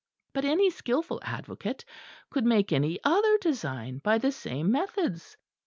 But any skilful advocate could make any other design by the same methods.